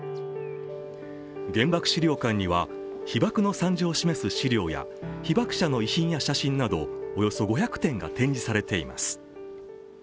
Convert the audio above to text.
原爆資料館には被爆の惨状を示す資料や被爆者の遺品や写真などおよそ５００点が展示されています。